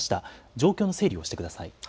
状況の整理をしてください。